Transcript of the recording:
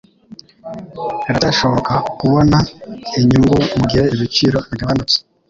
Biracyashoboka kubona inyungu mugihe ibiciro bigabanutse.